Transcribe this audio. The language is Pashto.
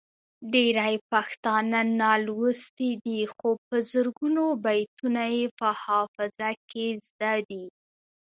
ډیری پښتانه نالوستي دي خو په زرګونو بیتونه یې په حافظه کې زده دي.